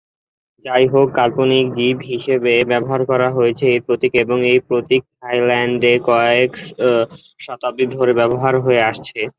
যাইহোক, কাল্পনিক জীব হিসেবে ব্যবহার করা হয়েছে এই প্রতীক, এবং এই প্রতীক থাইল্যান্ডে কয়েক শতাব্দী ধরে ব্যবহার হয়ে আসছে।